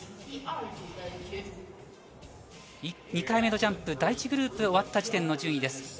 ２回目のジャンプ、第１グループが終わった時点の順位です。